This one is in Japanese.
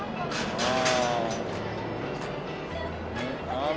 ああ！